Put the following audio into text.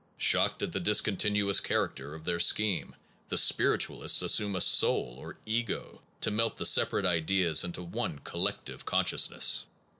Shocked at the discon tinuous character of their scheme, the spiritu alists assume a soul or ego to melt the separate ideas into one collective consciousness.